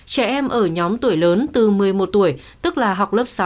trẻ em ở nhóm tuổi lớn từ một mươi một tuổi tức là học lớp sáu